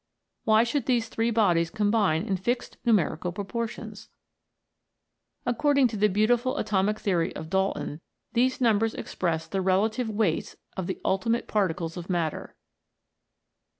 Why should these three bodies combine in fixed numerical propor tions 1 According to the beautiful atomic theory ot Dalton, these numbers express the relative weights of the ultimate particles of matter.